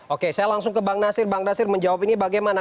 oke saya langsung ke bang nasir bang nasir menjawab ini bagaimana